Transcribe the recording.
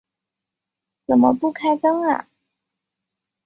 怎么不开灯啊